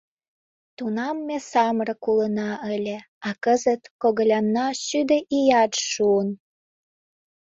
— Тунам ме самырык улына ыле, а кызыт когылянна шӱдӧ ият шуын